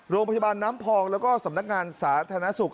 โรงพยาบาลน้ำพองแล้วก็สำนักงานสาธารณสุข